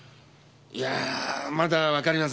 いやまだわかりません。